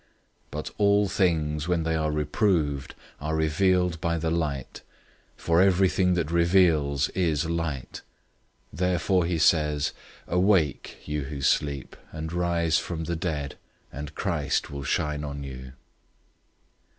005:013 But all things, when they are reproved, are revealed by the light, for everything that reveals is light. 005:014 Therefore he says, "Awake, you who sleep, and arise from the dead, and Christ will shine on you."